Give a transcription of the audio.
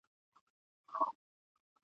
پر بهار یې را بللي تور پوځونه د زاغانو !.